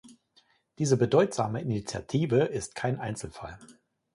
Diese bedeutsame Initiative ist kein Einzelfall.